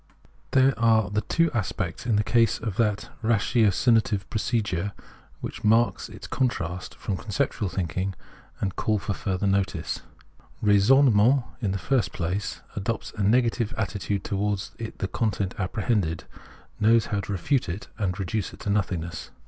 There are the two aspects in the case of that ratio cinative procedure which mark its contrast from con ceptual thinking and call for further notice. Raisonne ment, in the first place, adopts a negative attitude to wards the content apprehended ; knows how to refute it and reduce it to nothingness.